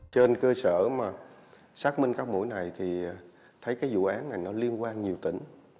trên cơ sở mà xác minh các mũi này thì thấy cái vụ án này nó liên quan nhiều tỉnh